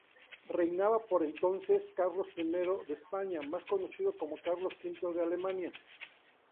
Reinaba por entonces Carlos I de España más conocido como Carlos V de Alemania.